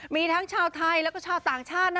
มีทั้งชาวไทยแล้วก็ชาวต่างชาติ